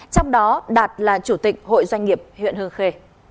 trong đó đạt là chủ tịch hội doanh nghiệp huyện hương khê